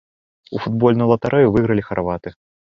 У футбольную латарэю выйгралі харваты.